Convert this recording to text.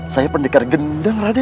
saya pendekar gendang raden